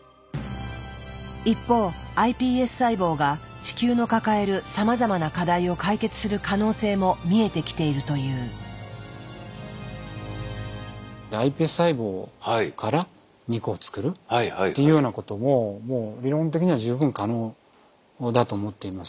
一方ｉＰＳ細胞が地球の抱えるさまざまな課題を解決する可能性も見えてきているという。というようなことももう理論的には十分可能だと思っています。